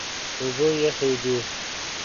اوبه یخې دي.